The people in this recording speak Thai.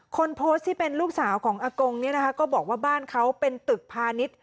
คนโพสต์ที่เป็นลูกสาวของอากงเนี่ยนะคะก็บอกว่าบ้านเขาเป็นตึกพาณิชย์